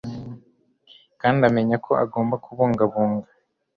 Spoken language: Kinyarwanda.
kandi amenye ko agomba kubungabunga